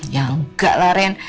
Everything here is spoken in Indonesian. ya enggak lah ren